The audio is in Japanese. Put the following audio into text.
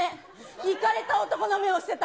いかれた男の目をしてた。